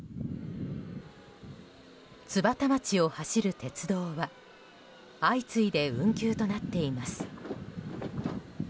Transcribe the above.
津幡町を走る鉄道は相次いで運休となっています。